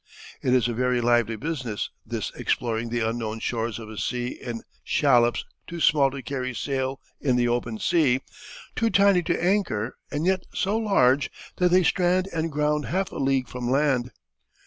It is a very lively business, this exploring the unknown shores of a sea in shallops too small to carry sail in the open sea, too tiny to anchor, and yet so large that they strand and ground half a league from land."